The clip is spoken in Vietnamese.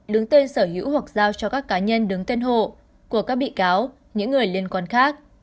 đứng tên sở hữu hoặc giao cho các cá nhân đứng tên hộ của các bị cáo những người liên quan khác